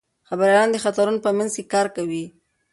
خبریالان د خطرونو په منځ کې کار کوي.